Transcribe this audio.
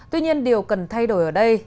tuy nhiên điều cần thay đổi ở đây